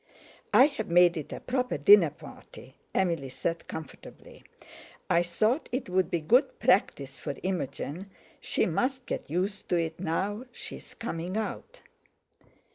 "I've made it a proper dinner party," Emily said comfortably; "I thought it would be good practice for Imogen—she must get used to it now she's coming out."